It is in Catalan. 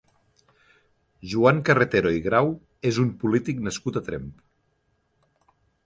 Joan Carretero i Grau és un polític nascut a Tremp.